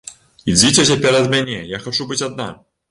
Ідзіце цяпер ад мяне, я хачу быць адна.